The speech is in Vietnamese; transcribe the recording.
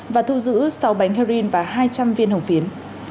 và thu giữ sáu bánh heroin và hai trăm linh viên hồng phiến